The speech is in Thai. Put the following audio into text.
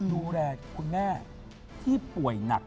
ดูแลคุณแม่ที่ป่วยหนัก